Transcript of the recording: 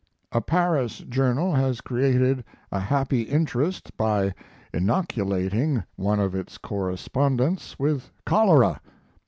A Paris journal has created a happy interest by inoculating one of its correspondents with cholera.